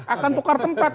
akan tukar tempat